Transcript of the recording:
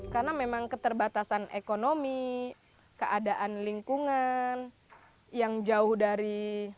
karena memang keterbatasan ekonomi keadaan lingkungan yang jauh dari